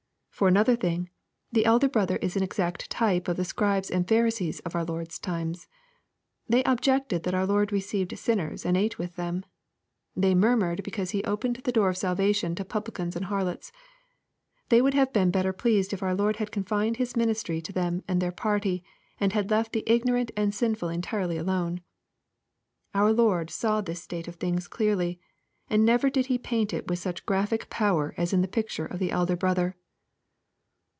For another thing, the elder brother is an exact type of the Scribes and Pharisees of our Lord's times. They objected that our Lord received sinners and ate with them.) They murmured because He opened the door of 'salvanon to publicans and harlots. They would have been better pleased if our Lord had confined His ministry to them and their party, and had left the ignorant and sinful entirely alone. Our Lord saw this state of things clearly ; and never did He paint it with such graphic power as in the picture of the " elder brother."